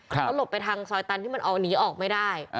เขาหลบไปทางซอยตันที่มันออกหนีออกไม่ได้